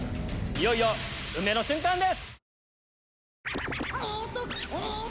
いよいよ運命の瞬間です！